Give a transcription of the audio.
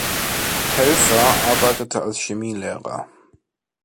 Telfer arbeitete als Chemielehrer.